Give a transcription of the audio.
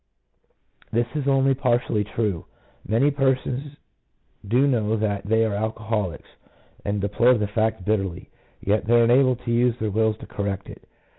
This is only partially true ; many persons do know that they are alcoholics, and deplore the fact bitterly, yet are unable to use their wills to correct it.